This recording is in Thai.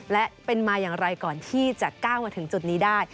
และเป็นมาอย่างไรก่อนที่จะก้าวมาถึงจุดนี้ได้